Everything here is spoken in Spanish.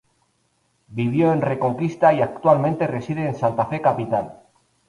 Vivió en Reconquista y actualmente reside en Santa Fe capital.